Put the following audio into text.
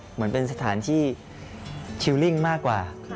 เหมือนเป็นสถานที่ชิลลิ่งมากกว่า